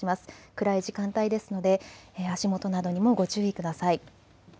暗い時間帯ですので、足元などにもご注意ください。